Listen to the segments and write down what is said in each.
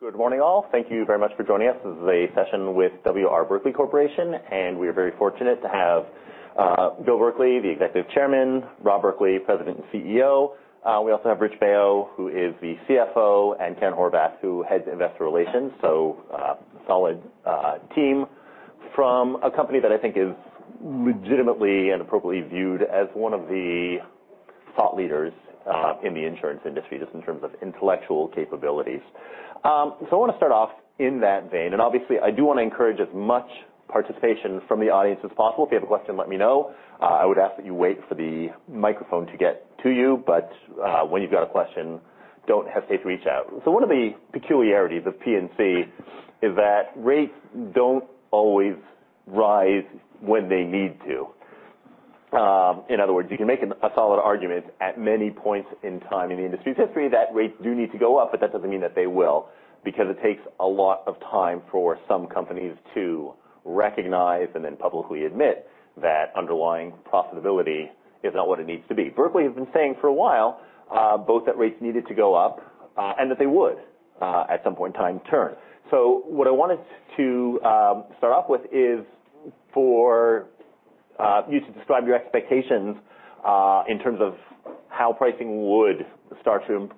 Good morning, all. Thank you very much for joining us. This is a session with W. R. Berkley Corporation, and we are very fortunate to have Bill Berkley, the Executive Chairman, Rob Berkley, President and CEO. We also have Rich Baio, who is the CFO, and Karen Horvath, who heads Investor Relations. A solid team from a company that I think is legitimately and appropriately viewed as one of the thought leaders in the insurance industry, just in terms of intellectual capabilities. I want to start off in that vein. Obviously, I do want to encourage as much participation from the audience as possible. If you have a question, let me know. I would ask that you wait for the microphone to get to you, but when you've got a question, don't hesitate to reach out. One of the peculiarities of P&C is that rates don't always rise when they need to. In other words, you can make a solid argument at many points in time in the industry's history that rates do need to go up, but that doesn't mean that they will, because it takes a lot of time for some companies to recognize, and then publicly admit, that underlying profitability is not what it needs to be. Berkley has been saying for a while both that rates needed to go up and that they would at some point in time turn. What I wanted to start off with is for you to describe your expectations in terms of how pricing would start to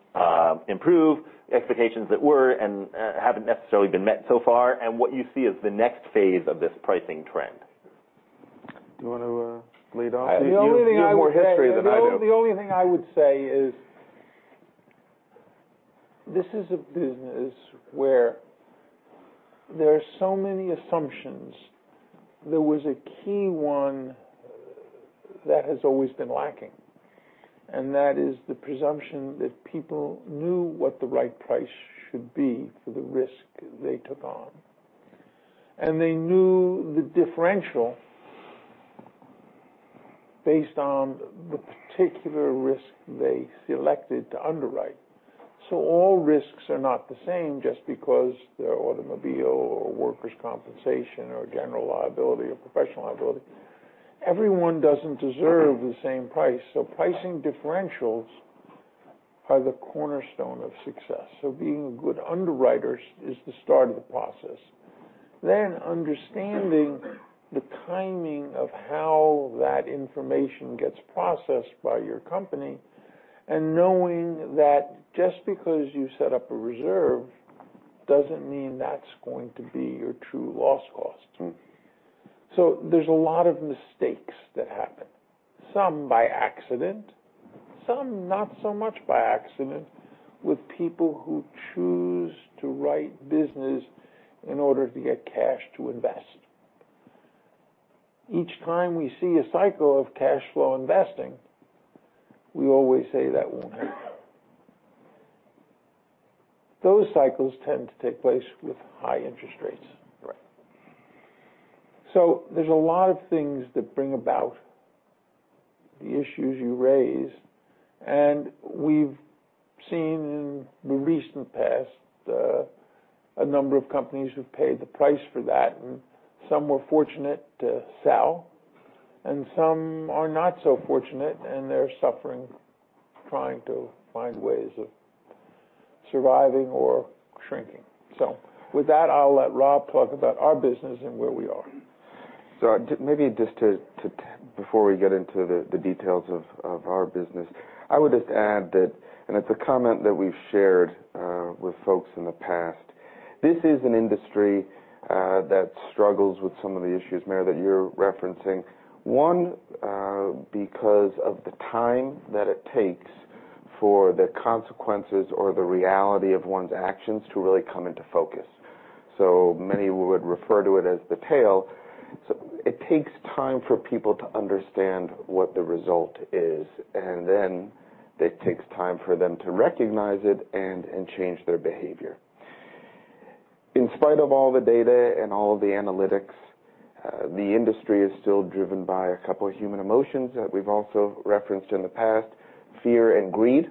improve, expectations that were and haven't necessarily been met so far, and what you see as the next phase of this pricing trend. Do you want to lead off? The only thing I would say- You have more history than I do. The only thing I would say is this is a business where there are so many assumptions. There was a key one that has always been lacking, and that is the presumption that people knew what the right price should be for the risk they took on. They knew the differential based on the particular risk they selected to underwrite. All risks are not the same just because they're automobile or workers' compensation or general liability or professional liability. Everyone doesn't deserve the same price, so pricing differentials are the cornerstone of success. Being good underwriters is the start of the process. Understanding the timing of how that information gets processed by your company, and knowing that just because you set up a reserve doesn't mean that's going to be your true loss cost. There's a lot of mistakes that happen. Some by accident, some not so much by accident with people who choose to write business in order to get cash to invest. Each time we see a cycle of cash flow investing, we always say that won't happen. Those cycles tend to take place with high interest rates. Right. There's a lot of things that bring about the issues you raise, and we've seen in the recent past, a number of companies who've paid the price for that, and some were fortunate to sell, and some are not so fortunate, and they're suffering, trying to find ways of surviving or shrinking. With that, I'll let Rob talk about our business and where we are. Maybe just to, before we get into the details of our business, I would just add that, and it's a comment that we've shared with folks in the past, this is an industry that struggles with some of the issues, Meyer, that you're referencing. One, because of the time that it takes for the consequences or the reality of one's actions to really come into focus. Many would refer to it as the tail. It takes time for people to understand what the result is, and then it takes time for them to recognize it and change their behavior. In spite of all the data and all of the analytics, the industry is still driven by a couple of human emotions that we've also referenced in the past: fear and greed.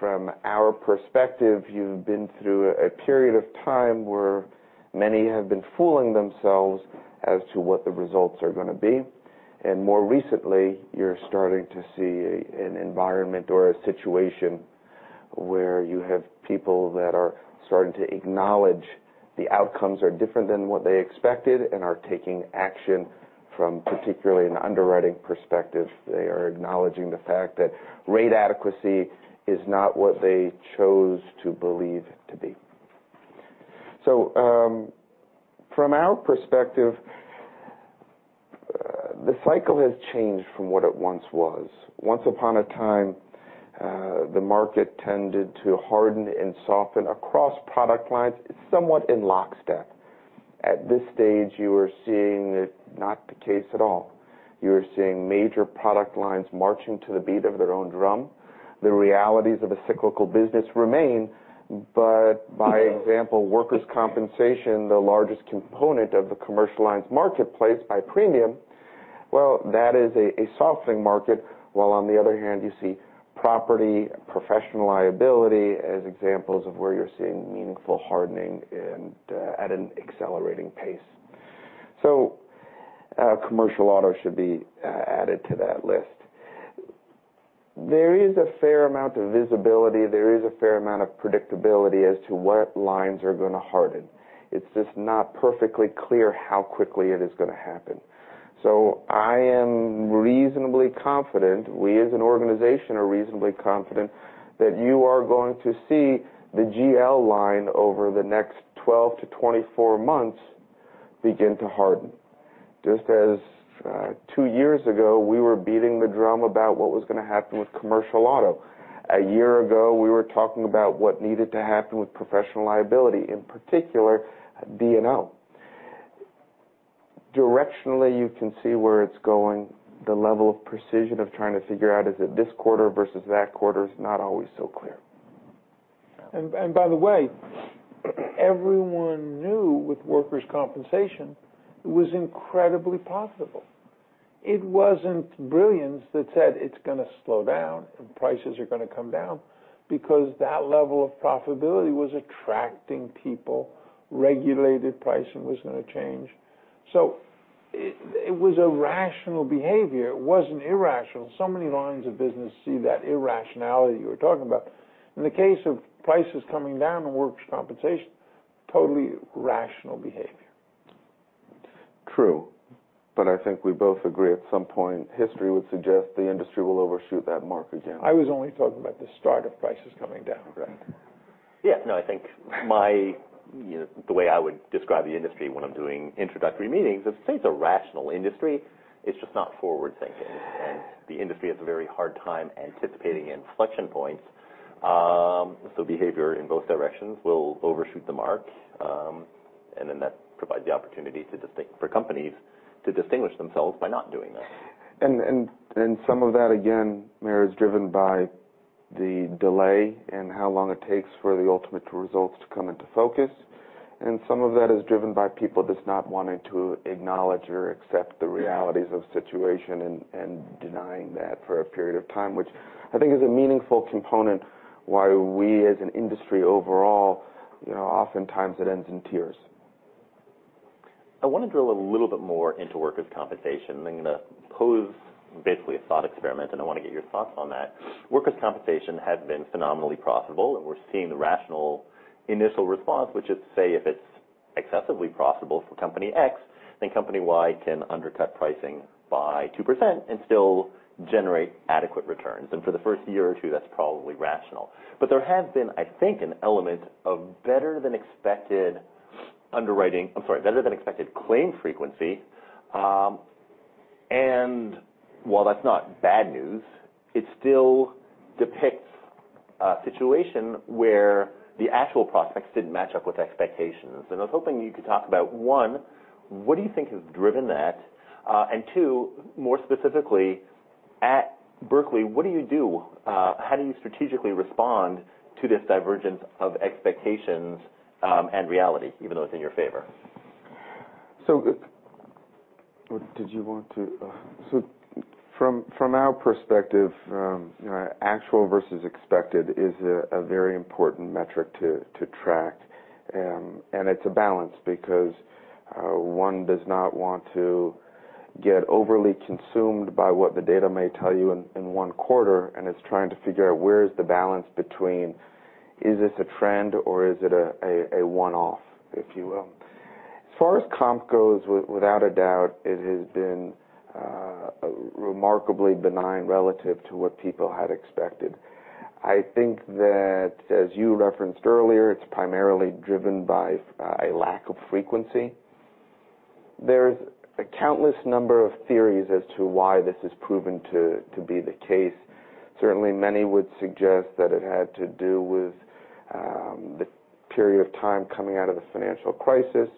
From our perspective, you've been through a period of time where many have been fooling themselves as to what the results are going to be. More recently, you're starting to see an environment or a situation where you have people that are starting to acknowledge the outcomes are different than what they expected and are taking action from particularly an underwriting perspective. They are acknowledging the fact that rate adequacy is not what they chose to believe it to be. From our perspective, the cycle has changed from what it once was. Once upon a time, the market tended to harden and soften across product lines somewhat in lockstep. At this stage, you are seeing it not the case at all. You are seeing major product lines marching to the beat of their own drum. The realities of a cyclical business remain, by example, workers' compensation, the largest component of the commercial lines marketplace by premium, well, that is a softening market. While on the other hand, you see property, professional liability as examples of where you're seeing meaningful hardening and at an accelerating pace. Commercial auto should be added to that list. There is a fair amount of visibility, there is a fair amount of predictability as to what lines are going to harden. It's just not perfectly clear how quickly it is going to happen. I am reasonably confident, we as an organization are reasonably confident, that you are going to see the GL line over the next 12 to 24 months begin to harden. Just as two years ago, we were beating the drum about what was going to happen with commercial auto. A year ago, we were talking about what needed to happen with professional liability, in particular, D&O. Directionally, you can see where it's going. The level of precision of trying to figure out is it this quarter versus that quarter is not always so clear. By the way, everyone knew with workers' compensation, it was incredibly possible. It wasn't brilliance that said it's going to slow down and prices are going to come down because that level of profitability was attracting people, regulated pricing was going to change. It was a rational behavior. It wasn't irrational. Many lines of business see that irrationality you were talking about. In the case of prices coming down in workers' compensation, totally rational behavior. True. I think we both agree at some point, history would suggest the industry will overshoot that mark again. I was only talking about the start of prices coming down. Correct. I think the way I would describe the industry when I'm doing introductory meetings is, say it's a rational industry, it's just not forward-thinking. The industry has a very hard time anticipating inflection points. Behavior in both directions will overshoot the mark, and then that provides the opportunity for companies to distinguish themselves by not doing that. Meyer, is driven by the delay in how long it takes for the ultimate results to come into focus. Some of that is driven by people just not wanting to acknowledge or accept the realities of situation and denying that for a period of time, which I think is a meaningful component why we as an industry overall, oftentimes it ends in tears. I want to drill a little bit more into workers' compensation. I'm going to pose basically a thought experiment, and I want to get your thoughts on that. Workers' compensation has been phenomenally profitable, and we're seeing the rational initial response, which is to say if it's excessively profitable for company X, then company Y can undercut pricing by 2% and still generate adequate returns. For the first year or two, that's probably rational. There has been, I think, an element of better than expected claim frequency. While that's not bad news, it still depicts a situation where the actual prospects didn't match up with expectations. I was hoping you could talk about, one, what do you think has driven that? Two, more specifically, at Berkley, what do you do? How do you strategically respond to this divergence of expectations and reality, even though it's in your favor? From our perspective, actual versus expected is a very important metric to track. It's a balance because one does not want to get overly consumed by what the data may tell you in one quarter, and it's trying to figure out where is the balance between is this a trend or is it a one-off, if you will. As far as comp goes, without a doubt, it has been remarkably benign relative to what people had expected. I think that, as you referenced earlier, it's primarily driven by a lack of frequency. There's a countless number of theories as to why this has proven to be the case. Certainly, many would suggest that it had to do with the period of time coming out of the financial crisis,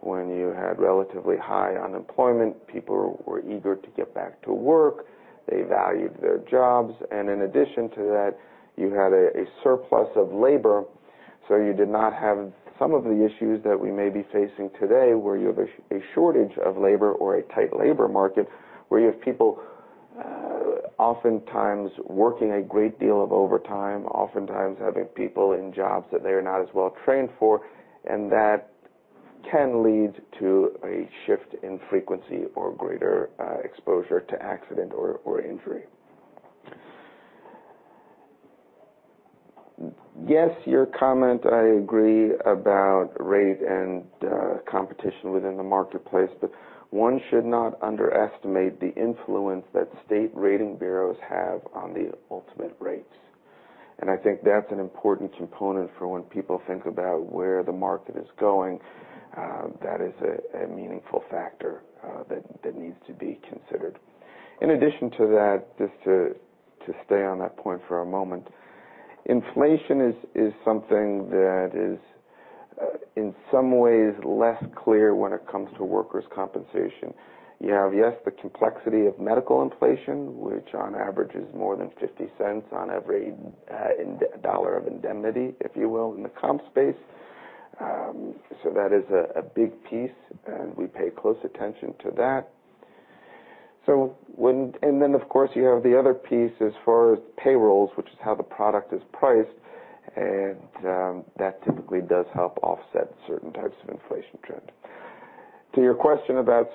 when you had relatively high unemployment. People were eager to get back to work. They valued their jobs. In addition to that, you had a surplus of labor, so you did not have some of the issues that we may be facing today, where you have a shortage of labor or a tight labor market, where you have people oftentimes working a great deal of overtime, oftentimes having people in jobs that they are not as well trained for, and that can lead to a shift in frequency or greater exposure to accident or injury. Your comment, I agree about rate and competition within the marketplace, but one should not underestimate the influence that state rating bureaus have on the ultimate rates. I think that's an important component for when people think about where the market is going. That is a meaningful factor that needs to be considered. In addition to that, just to stay on that point for a moment. Inflation is something that is in some ways less clear when it comes to workers' compensation. You have, yes, the complexity of medical inflation, which on average is more than $0.50 on every dollar of indemnity, if you will, in the comp space. That is a big piece, and we pay close attention to that. Then, of course, you have the other piece as far as payrolls, which is how the product is priced, and that typically does help offset certain types of inflation trend. To your question about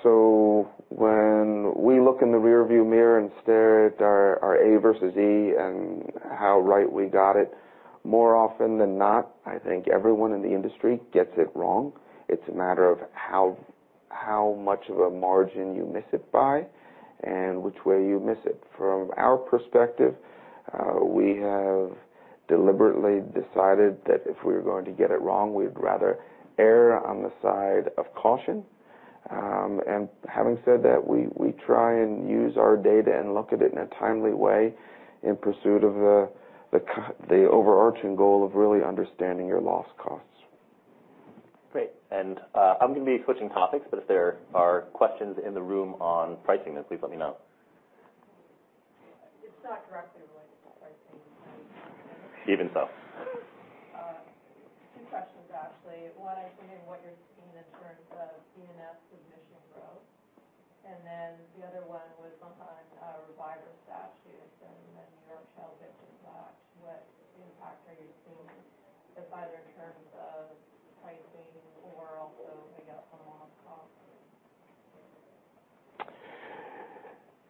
when we look in the rearview mirror and stare at our A versus E and how right we got it, more often than not, I think everyone in the industry gets it wrong. It's a matter of how much of a margin you miss it by and which way you miss it. From our perspective, we have deliberately decided that if we're going to get it wrong, we'd rather err on the side of caution. Having said that, we try and use our data and look at it in a timely way in pursuit of the overarching goal of really understanding your loss costs. Great. I'm going to be switching topics, but if there are questions in the room on pricing, then please let me know. It's not directly related to pricing. Even so. Two questions, actually. One, I was wondering what you're seeing in terms of E&S submission growth. The other one was on reviver statutes and the New York Child Victims Act. What impact are you seeing, if either in terms of pricing or also maybe upfront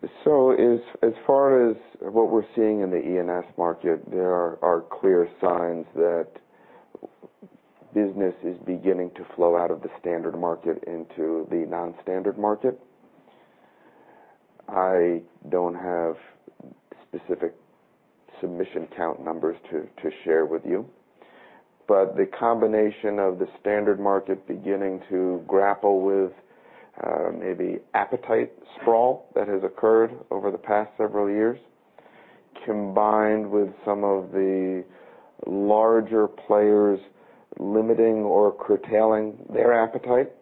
costs? As far as what we're seeing in the E&S market, there are clear signs that business is beginning to flow out of the standard market into the non-standard market. I don't have specific submission count numbers to share with you. The combination of the standard market beginning to grapple with maybe appetite sprawl that has occurred over the past several years, combined with some of the larger players limiting or curtailing their appetite,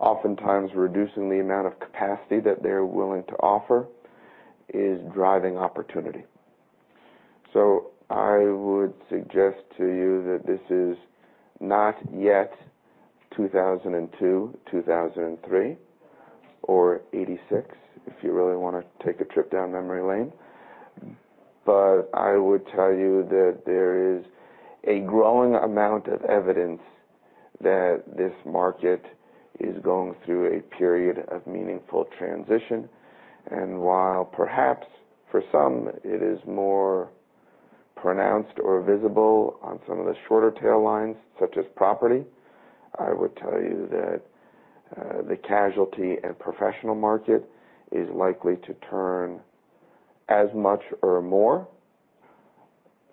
oftentimes reducing the amount of capacity that they're willing to offer, is driving opportunity. I would suggest to you that this is not yet 2002, 2003 or 1986, if you really want to take a trip down memory lane. I would tell you that there is a growing amount of evidence that this market is going through a period of meaningful transition. While perhaps for some it is more pronounced or visible on some of the shorter tail lines, such as property, I would tell you that the casualty and professional market is likely to turn as much or more,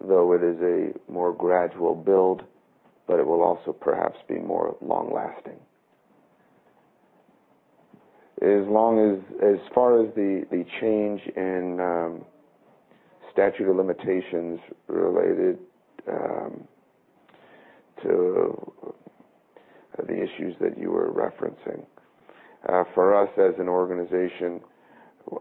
though it is a more gradual build, it will also perhaps be more long-lasting. As far as the change in statute of limitations related to the issues that you were referencing. For us as an organization,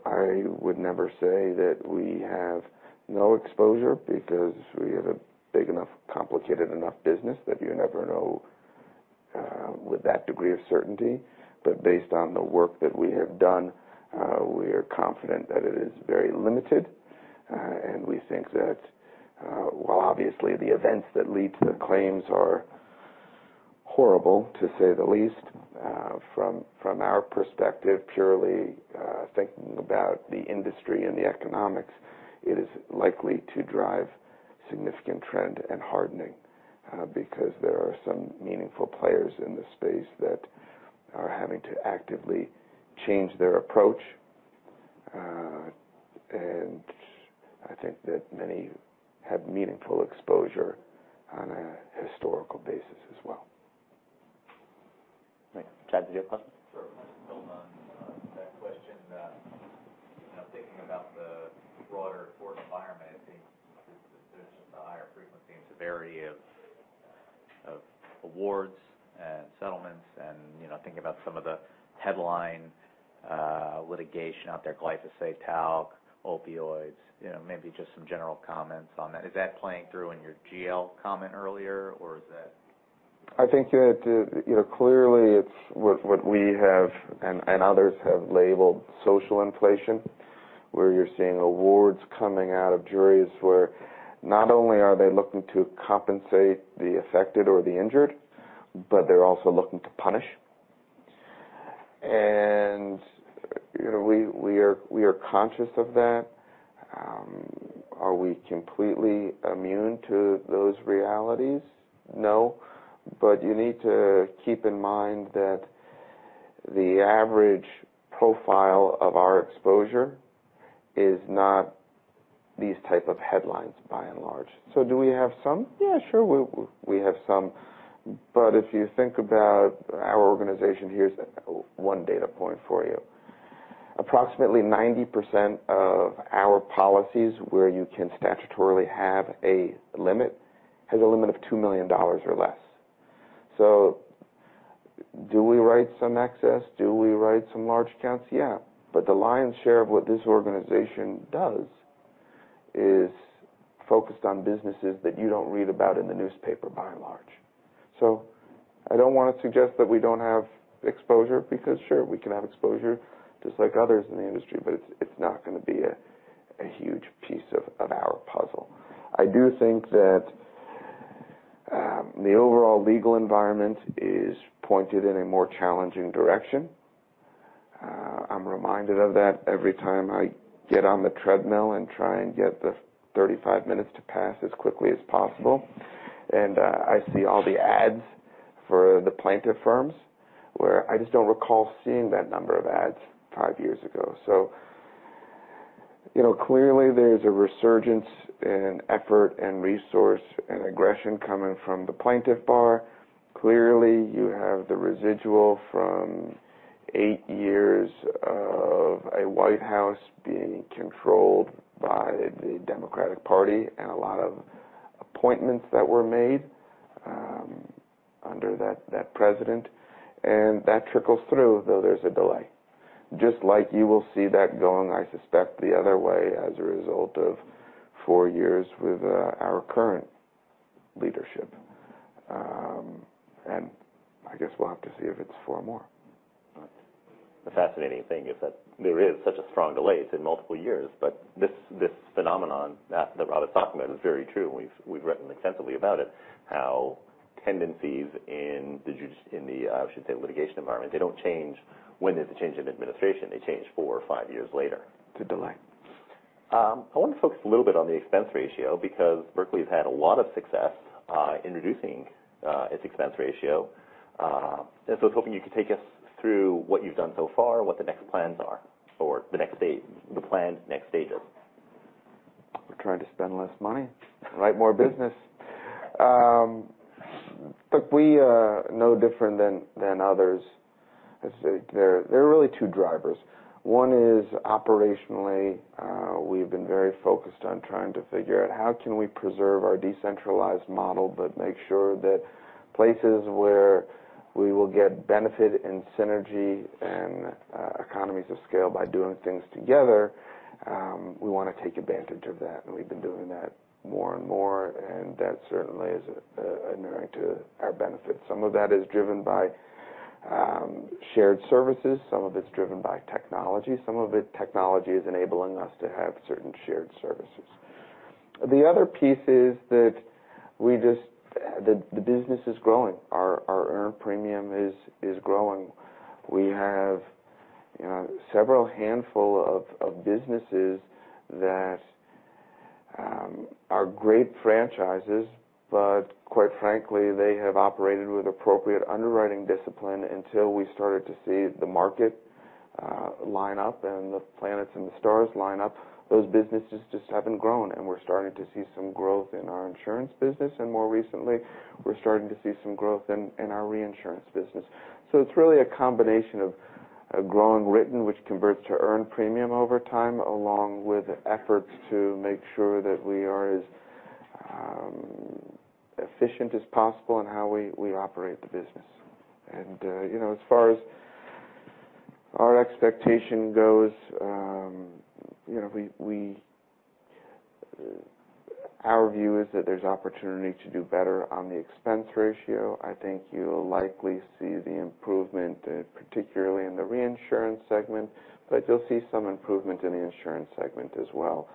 I would never say that we have no exposure because we have a big enough, complicated enough business that you never know with that degree of certainty. Based on the work that we have done, we are confident that it is very limited. We think that while obviously the events that lead to the claims are horrible, to say the least, from our perspective, purely thinking about the industry and the economics, it is likely to drive significant trend and hardening because there are some meaningful players in this space that are having to actively change their approach. I think that many have meaningful exposure on a historical basis as well. Great. Chad, did you have a question? Sure. Just to build on that question, thinking about the broader tort environment, it seems there's just a higher frequency and severity of awards and settlements and thinking about some of the headline litigation out there, glyphosate, talc, opioids, maybe just some general comments on that. Is that playing through in your GL comment earlier? Or is that I think that clearly it's what we have and others have labeled social inflation, where you're seeing awards coming out of juries where not only are they looking to compensate the affected or the injured, but they're also looking to punish. We are conscious of that. Are we completely immune to those realities? No. You need to keep in mind that the average profile of our exposure is not these type of headlines by and large. Do we have some? Yeah, sure, we have some. But if you think about our organization, here's one data point for you. Approximately 90% of our policies where you can statutorily have a limit, has a limit of $2 million or less. Do we write some excess? Do we write some large accounts? Yeah. The lion's share of what this organization does is focused on businesses that you don't read about in the newspaper, by and large. I don't want to suggest that we don't have exposure because sure, we can have exposure just like others in the industry, but it's not going to be a huge piece of our puzzle. I do think the overall legal environment is pointed in a more challenging direction. I'm reminded of that every time I get on the treadmill and try and get the 35 minutes to pass as quickly as possible, and I see all the ads for the plaintiff firms where I just don't recall seeing that number of ads five years ago. Clearly, there's a resurgence in effort and resource and aggression coming from the plaintiff bar. Clearly, you have the residual from eight years of a White House being controlled by the Democratic Party and a lot of appointments that were made under that president, and that trickles through, though there's a delay. Just like you will see that going, I suspect, the other way as a result of four years with our current leadership. I guess we'll have to see if it's four more. The fascinating thing is that there is such a strong delay. It's in multiple years. This phenomenon that Rob is talking about is very true, and we've written extensively about it, how tendencies in the, I should say, litigation environment, they don't change when there's a change in administration. They change four or five years later. It's a delay. I want to focus a little bit on the expense ratio because Berkley's had a lot of success in reducing its expense ratio. I was hoping you could take us through what you've done so far, what the next plans are, or the plan's next stages. We're trying to spend less money, write more business. Look, we are no different than others. There are really two drivers. One is operationally we've been very focused on trying to figure out how can we preserve our decentralized model but make sure that places where we will get benefit and synergy and economies of scale by doing things together, we want to take advantage of that. We've been doing that more and more, and that certainly is inuring to our benefit. Some of that is driven by shared services, some of it's driven by technology. Some of it, technology is enabling us to have certain shared services. The other piece is that the business is growing. Our earned premium is growing. We have several handful of businesses that are great franchises, but quite frankly, they have operated with appropriate underwriting discipline until we started to see the market line up and the planets and the stars line up. Those businesses just haven't grown, we're starting to see some growth in our insurance business. More recently, we're starting to see some growth in our reinsurance business. It's really a combination of a growing written, which converts to earned premium over time, along with efforts to make sure that we are as efficient as possible in how we operate the business. As far as our expectation goes, our view is that there's opportunity to do better on the expense ratio. I think you'll likely see the improvement, particularly in the reinsurance segment, but you'll see some improvement in the insurance segment as well.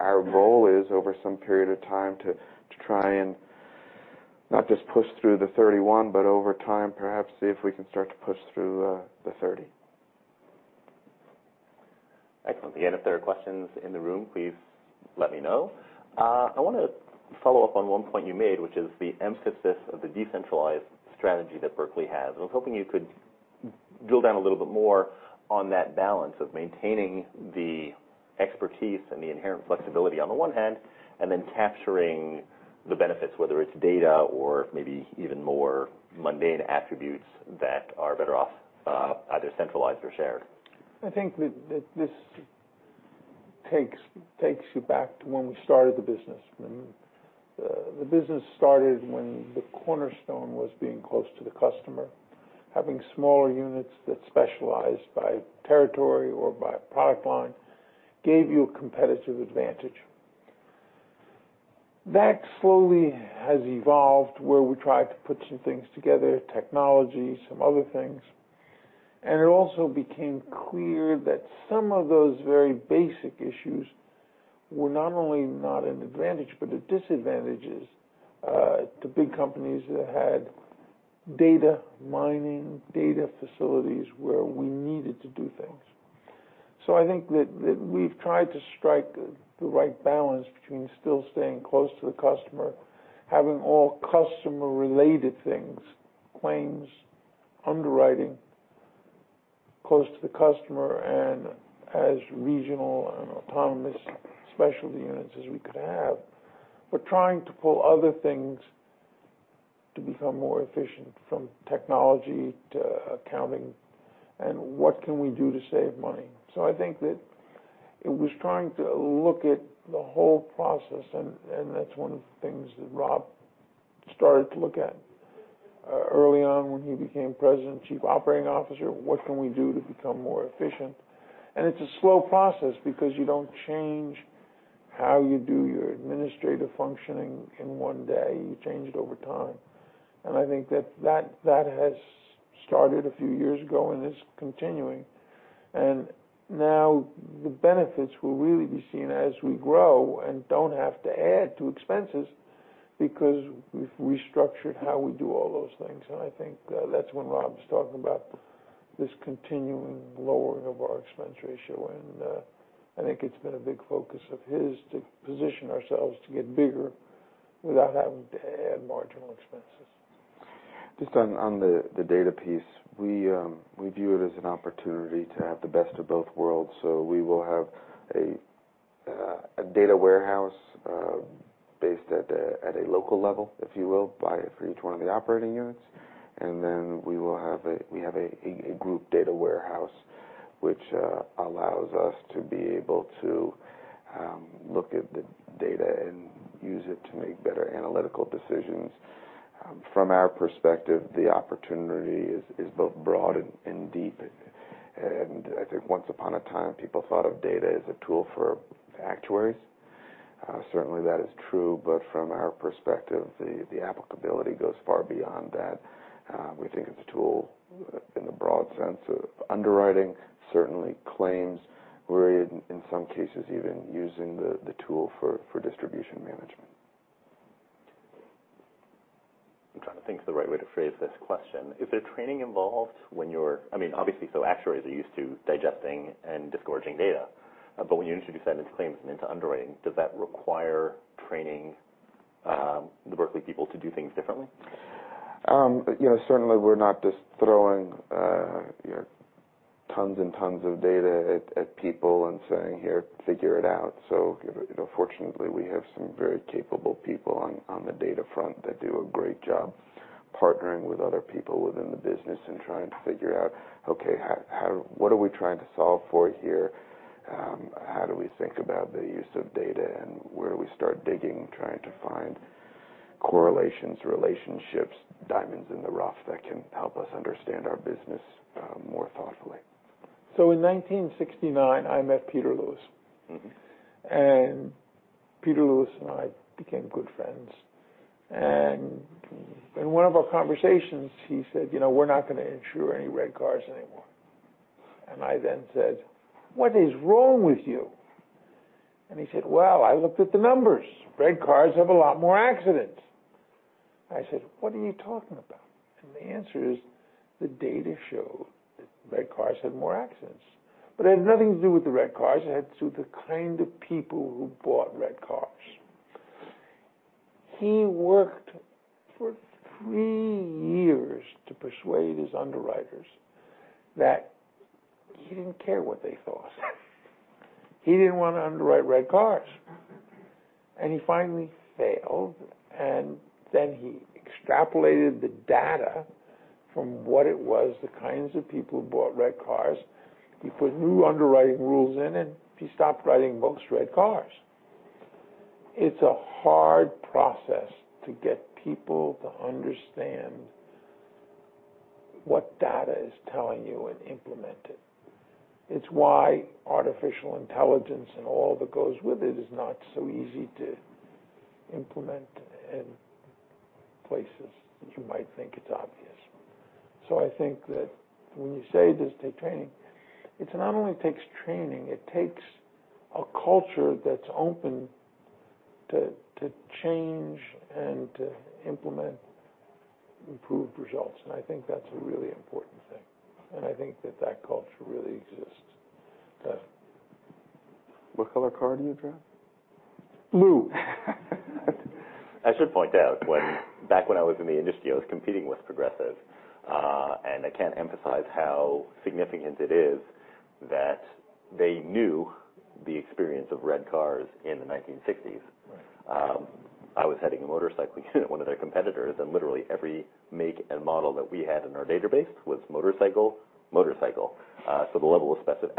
Our goal is, over some period of time, to try and not just push through the 31, but over time, perhaps see if we can start to push through the 30. Excellent. Again, if there are questions in the room, please let me know. I want to follow up on one point you made, which is the emphasis of the decentralized strategy that Berkley has. I was hoping you could drill down a little bit more on that balance of maintaining the expertise and the inherent flexibility on the one hand, and then capturing the benefits, whether it's data or maybe even more mundane attributes that are better off either centralized or shared. I think that this takes you back to when we started the business. The business started when the cornerstone was being close to the customer. Having smaller units that specialized by territory or by product line gave you a competitive advantage. That slowly has evolved where we tried to put some things together, technology, some other things. It also became clear that some of those very basic issues were not only not an advantage, but a disadvantage to big companies that had data mining, data facilities where we needed to do things. I think that we've tried to strike the right balance between still staying close to the customer, having all customer-related things, claims, underwriting, close to the customer, and as regional and autonomous specialty units as we could have. We're trying to pull other things to become more efficient, from technology to accounting, and what can we do to save money. I think that it was trying to look at the whole process, and that's one of the things that Rob started to look at early on when he became President and Chief Operating Officer. What can we do to become more efficient? It's a slow process because you don't change how you do your administrative functioning in one day. You change it over time. I think that has started a few years ago and is continuing. Now the benefits will really be seen as we grow and don't have to add to expenses because we've restructured how we do all those things. I think that's when Rob's talking about this continuing lowering of our expense ratio. I think it's been a big focus of his to position ourselves to get bigger without having to add marginal expenses. Just on the data piece, we view it as an opportunity to have the best of both worlds. We will have a data warehouse, based at a local level, if you will, for each one of the operating units. Then we have a group data warehouse, which allows us to be able to look at the data and use it to make better analytical decisions. From our perspective, the opportunity is both broad and deep. I think once upon a time, people thought of data as a tool for actuaries. Certainly, that is true, but from our perspective, the applicability goes far beyond that. We think it's a tool in the broad sense of underwriting, certainly claims. We're, in some cases, even using the tool for distribution management. I'm trying to think of the right way to phrase this question. Is there training involved when Obviously, so actuaries are used to digesting and disgorging data. When you introduce that into claims and into underwriting, does that require training the Berkley people to do things differently? Certainly, we're not just throwing tons and tons of data at people and saying, "Here, figure it out." Fortunately, we have some very capable people on the data front that do a great job partnering with other people within the business and trying to figure out, okay, what are we trying to solve for here? How do we think about the use of data, and where do we start digging, trying to find correlations, relationships, diamonds in the rough that can help us understand our business more thoughtfully. In 1969, I met Peter Lewis. Peter Lewis and I became good friends. In one of our conversations, he said, "We're not going to insure any red cars anymore." I then said, "What is wrong with you?" He said, "Well, I looked at the numbers. Red cars have a lot more accidents." I said, "What are you talking about?" The answer is, the data show that red cars have more accidents. It had nothing to do with the red cars. It had to do with the kind of people who bought red cars. He worked for three years to persuade his underwriters that he didn't care what they thought. He didn't want to underwrite red cars. He finally failed, and then he extrapolated the data from what it was, the kinds of people who bought red cars. He put new underwriting rules in, and he stopped writing most red cars. It's a hard process to get people to understand what data is telling you and implement it. It's why artificial intelligence and all that goes with it is not so easy to implement in places that you might think it's obvious. I think that when you say, does it take training, it not only takes training, it takes a culture that's open to change and to implement improved results. I think that's a really important thing. I think that that culture really exists. Does it? What color car do you drive? Blue. I should point out, back when I was in the industry, I was competing with Progressive. I can't emphasize how significant it is that they knew the experience of red cars in the 1960s. Right. I was heading a motorcycle unit at one of their competitors, and literally every make and model that we had in our database was motorcycle.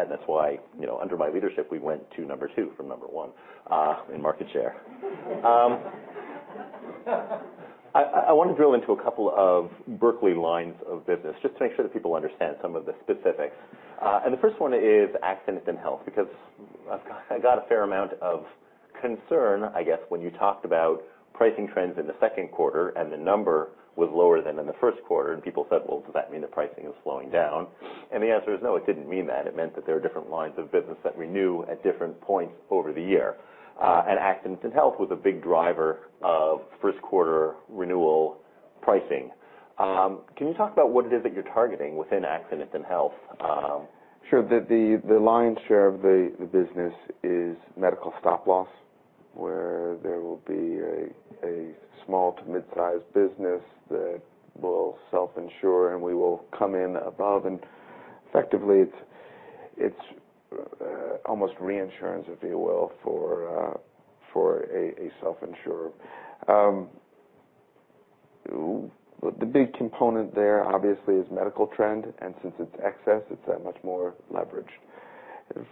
That's why under my leadership, we went to number two from number one in market share. I want to drill into a couple of Berkley lines of business just to make sure that people understand some of the specifics. The first one is accident and health, because I got a fair amount of concern, I guess, when you talked about pricing trends in the second quarter and the number was lower than in the first quarter. People said, "Well, does that mean the pricing is slowing down?" The answer is no, it didn't mean that. It meant that there are different lines of business that renew at different points over the year. Accident and health was a big driver of first quarter renewal pricing. Can you talk about what it is that you're targeting within accident and health? Sure. The lion's share of the business is medical stop loss, where there will be a small to mid-size business that will self-insure, and we will come in above. Effectively, it's almost reinsurance, if you will, for a self-insurer. The big component there, obviously, is medical trend. Since it's excess, it's that much more leverage.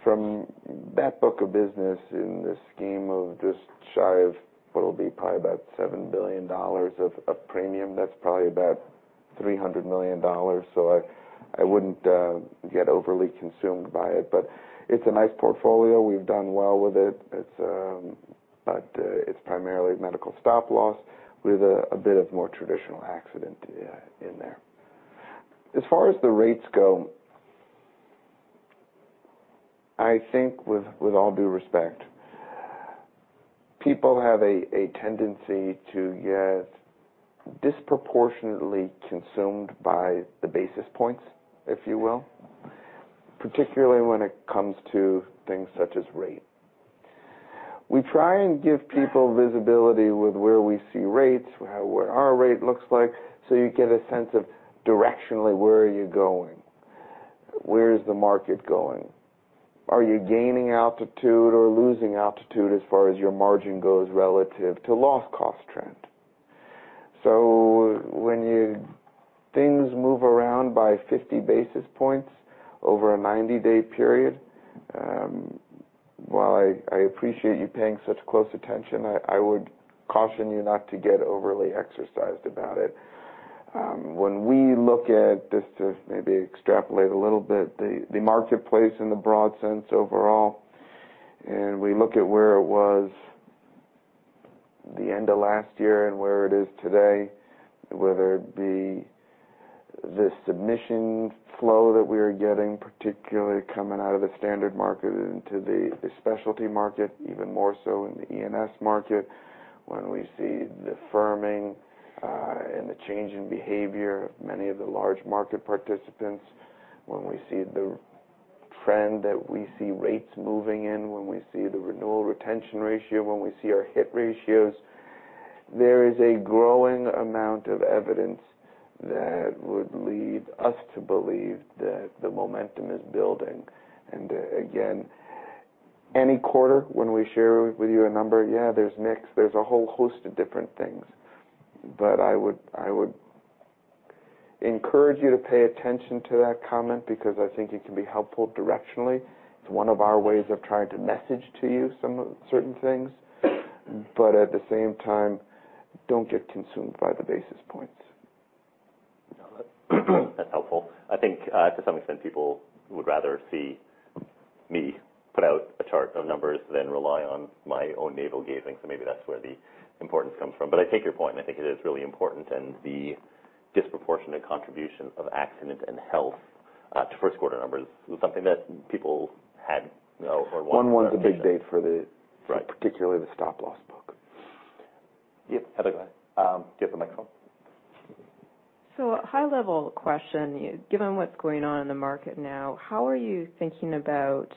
From that book of business in the scheme of just shy of what will be probably about $7 billion of premium, that's probably about $300 million. I wouldn't get overly consumed by it, but it's a nice portfolio. We've done well with it. It's primarily medical stop loss with a bit of more traditional accident in there. As far as the rates go, I think with all due respect, people have a tendency to get disproportionately consumed by the basis points, if you will, particularly when it comes to things such as rate. We try and give people visibility with where we see rates, where our rate looks like, so you get a sense of directionally, where are you going? Where is the market going? Are you gaining altitude or losing altitude as far as your margin goes relative to loss cost trend? When things move around by 50 basis points over a 90-day period, while I appreciate you paying such close attention, I would caution you not to get overly exercised about it. When we look at, just to maybe extrapolate a little bit, the marketplace in the broad sense overall, and we look at where it was the end of last year and where it is today, whether it be the submission flow that we are getting, particularly coming out of the standard market into the specialty market, even more so in the E&S market. When we see the firming and the change in behavior of many of the large market participants, when we see the trend that we see rates moving in, when we see the renewal retention ratio, when we see our hit ratios. There is a growing amount of evidence that would lead us to believe that the momentum is building. Again, any quarter when we share with you a number, yeah, there's mix, there's a whole host of different things. I would encourage you to pay attention to that comment because I think it can be helpful directionally. It's one of our ways of trying to message to you certain things, but at the same time, don't get consumed by the basis points. That's helpful. I think to some extent, people would rather see me put out a chart of numbers than rely on my own navel-gazing. Maybe that's where the importance comes from. I take your point, and I think it is really important, and the disproportionate contribution of accident and health to first quarter numbers was something that people had. One was a big day for the- Right particularly the stop loss book. Yes. Heather, go ahead. Do you have the microphone? High-level question. Given what's going on in the market now, how are you thinking about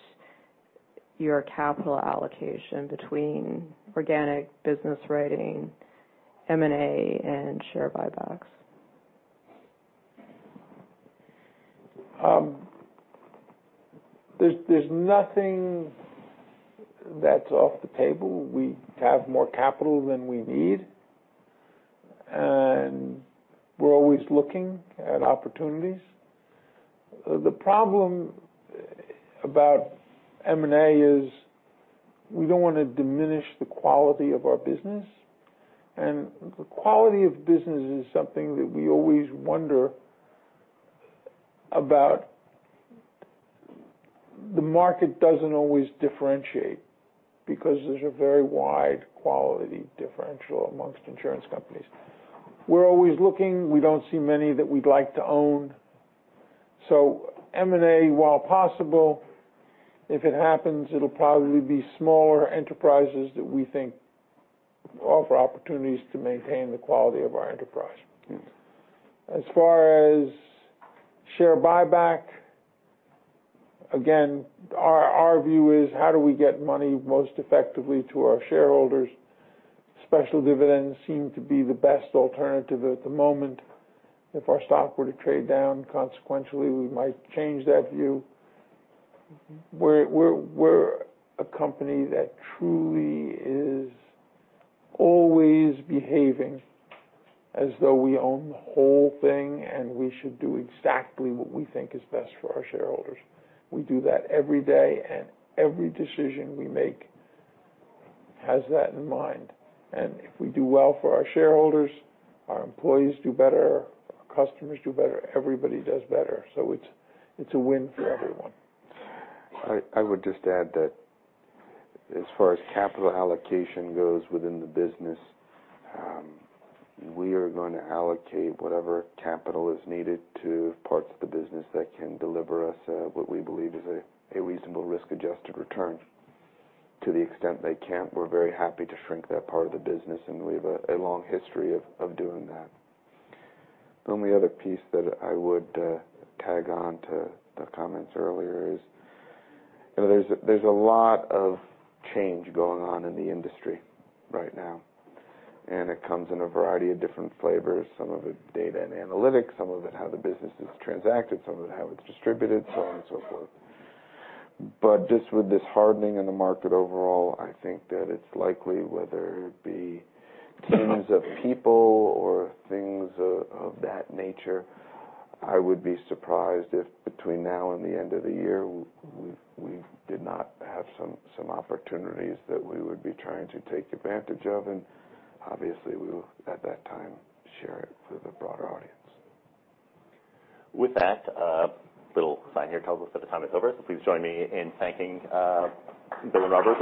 your capital allocation between organic business writing, M&A, and share buybacks? There's nothing that's off the table. We have more capital than we need, we're always looking at opportunities. The problem about M&A is we don't want to diminish the quality of our business. The quality of business is something that we always wonder about. The market doesn't always differentiate because there's a very wide quality differential amongst insurance companies. We're always looking. We don't see many that we'd like to own. M&A, while possible, if it happens, it'll probably be smaller enterprises that we think offer opportunities to maintain the quality of our enterprise. As far as share buyback, again, our view is how do we get money most effectively to our shareholders? Special dividends seem to be the best alternative at the moment. If our stock were to trade down consequentially, we might change that view. We're a company that truly is always behaving as though we own the whole thing, we should do exactly what we think is best for our shareholders. We do that every day, every decision we make has that in mind. If we do well for our shareholders, our employees do better, our customers do better, everybody does better. It's a win for everyone. I would just add that as far as capital allocation goes within the business, we are going to allocate whatever capital is needed to parts of the business that can deliver us what we believe is a reasonable risk-adjusted return. To the extent they can't, we're very happy to shrink that part of the business, we have a long history of doing that. The only other piece that I would tag on to the comments earlier is there's a lot of change going on in the industry right now, it comes in a variety of different flavors. Some of it data and analytics, some of it how the business is transacted, some of it how it's distributed, so on and so forth. Just with this hardening in the market overall, I think that it's likely whether it be teams of people or things of that nature. I would be surprised if between now and the end of the year, we did not have some opportunities that we would be trying to take advantage of, obviously, we will at that time share it with a broader audience. With that, a little sign here tells us that the time is over. Please join me in thanking Bill and Robert.